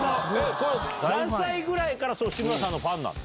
何歳ぐらいから志村さんのファンなの？